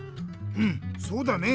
うんそうだね。